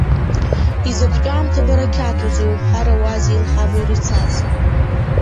Изакәтәы аамҭа барақьаҭузеи уҳәаруазеи илҳавыҩр ицаз.